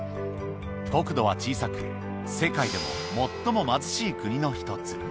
国土は小さく、世界でも最も貧しい国の一つ。